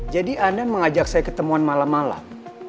jadi anda mengajak saya ketemuan malam malam